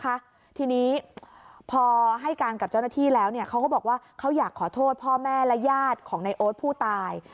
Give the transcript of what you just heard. นะคะทีนี้พอให้การกับเจ้าหน้าที่แล้วเนี่ยเขาก็บอกว่าเขาอยากขอโทษพ่อแม่และญาติของในโอ๊ตผู้ตาย